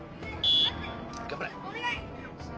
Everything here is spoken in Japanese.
頑張れ。